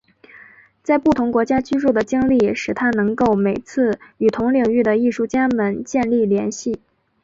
在不同国家居住的经历使他能够每次与同领域的艺术家们建立联系。